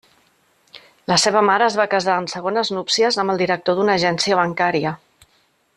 La seva mare es va casar en segones núpcies amb el director d'una agència bancària.